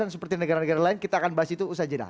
seperti negara negara lain kita akan bahas itu usaha jenah